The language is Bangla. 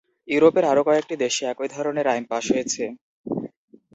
ইউরোপের আরও কয়েকটি দেশে একই ধরনের আইন পাস হয়েছে।